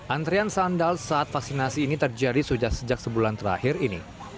antrian sandal saat vaksinasi ini terjadi sejak sebulan terakhir ini